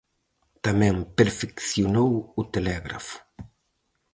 Tamén perfeccionou o telégrafo.